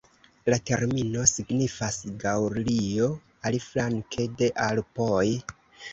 La termino signifas "Gaŭlio aliflanke de Alpoj".